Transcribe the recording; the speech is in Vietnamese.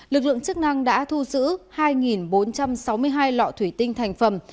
lực lượng chức năng đã thu giữ hai bốn trăm sáu mươi hai lọ thủy tinh thành phẩm